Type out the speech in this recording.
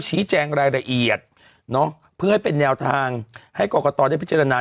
ชี้แจงรายละเอียดเพื่อให้เป็นแนวทางให้กรกตได้พิจารณา